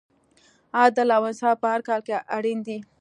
عدل او انصاف په هر کار کې اړین دی.